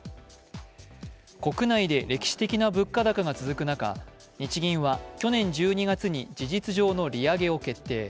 国内で歴史的な物価高が続く中、日銀は去年１２月に事実上の利上げを決定。